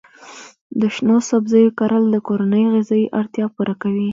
د شنو سبزیو کرل د کورنۍ غذایي اړتیا پوره کوي.